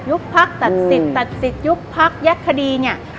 ยุคพักตัดสิทธิ์ยุคพักแยกคดีเนี่ย